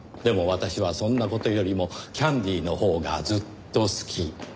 私はそんな事よりもキャンディーのほうがずっと好き」。